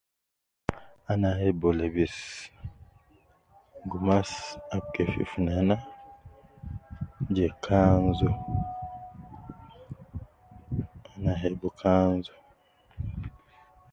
Ana jebu lebis gumas ab kefif nana je kanzu ,ana hebu kanzu